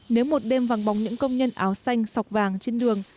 nếu một đêm vắng bóng những công nhân áo xanh sọc vàng trên đường